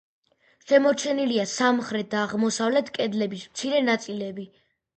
შემორჩენილია სამხრეთ და აღმოსავლეთ კედლების მცირე ნაწილები.